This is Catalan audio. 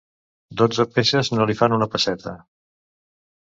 Dotze peces no li fan una pesseta.